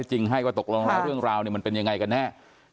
เรื่องราวมันเป็นยังไงกันแน่